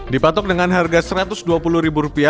dipatok dengan harga rp satu ratus dua puluh